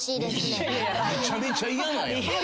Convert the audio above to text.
めちゃめちゃ嫌なんやな。